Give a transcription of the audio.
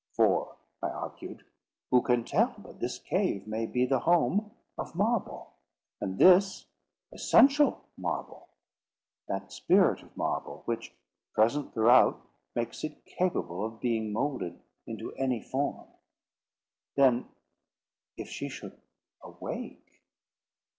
"For," I argued, "who can tell but this cave may be the home of Marble, and this, essential Marble—that spirit of marble which, present throughout, makes it capable of being moulded into any form? Then if she should awake!